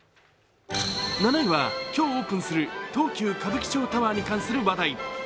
７位は今日オープンする東急歌舞伎町タワーに関する話題。